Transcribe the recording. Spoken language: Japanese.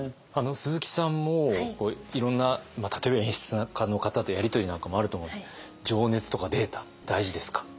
鈴木さんもいろんな例えば演出家の方とやり取りなんかもあると思うんですけど情熱とかデータ大事ですか？